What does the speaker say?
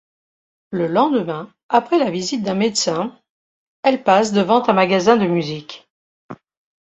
Le lendemain, après la visite d'un médecin, elles passent devant un magasin de musique.